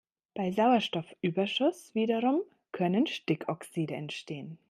Bei Sauerstoffüberschuss wiederum können Stickoxide entstehen.